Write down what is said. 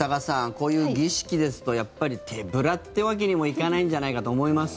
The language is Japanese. こういう儀式ですとやっぱり手ぶらってわけにもいかないんじゃないかと思います。